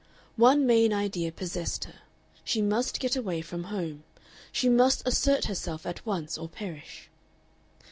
One main idea possessed her: she must get away from home, she must assert herself at once or perish.